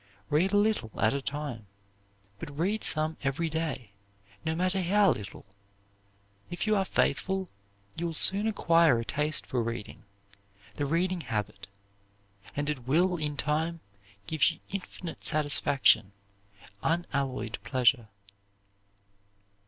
Read a little at a time, but read some every day, no matter how little. If you are faithful you will soon acquire a taste for reading the reading habit; and it will, in time, give you infinite satisfaction, unalloyed pleasure.